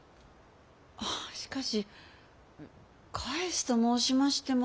しかし返すと申しましても。